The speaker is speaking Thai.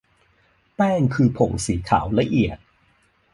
แป้งคือผงสีขาวละเอียด